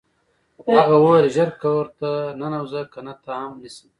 هغه وویل ژر کور ته ننوځه کنه تا هم نیسم